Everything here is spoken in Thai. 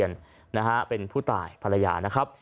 เป็นนะฮะเป็นผู้ตายภรรยานะครับ